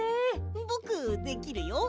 ぼくできるよ。